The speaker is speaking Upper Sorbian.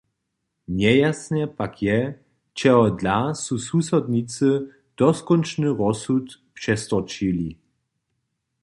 Njejasne pak je, čehodla su sudnicy doskónčny rozsud přestorčili.